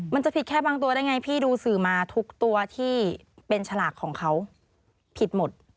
มันจะผิดแค่บางตัวได้ไงพี่ดูสื่อมาทุกตัวที่เป็นฉลากของเขาผิดหมด